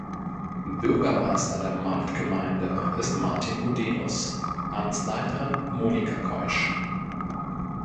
Bürgermeister der Marktgemeinde ist Martin Gudenus, Amtsleiterin Monika Keusch.